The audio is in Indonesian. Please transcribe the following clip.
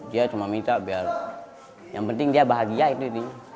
dia cuma minta biar yang penting dia bahagia itu